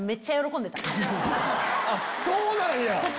そうなんや！